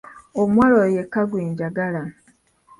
Omuwala oyo yekka gwe njagala.